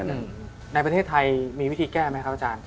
ในประเทศไทยมีวิธีแก้ไหมครับอาจารย์